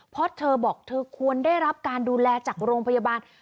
เพราะเธอบอกเธอควรได้รับการดูแลจากโรงพยาบาล